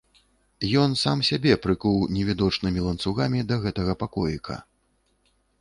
Ён сам сябе прыкуў невідочнымі ланцугамі да гэтага пакоіка.